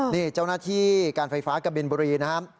นี่เจ้าหน้าที่การไฟฟ้ากะบินบุรีนะครับ